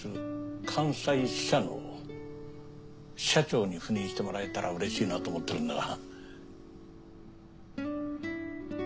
関西支社の支社長に赴任してもらえたら嬉しいなと思ってるんだが。